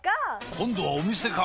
今度はお店か！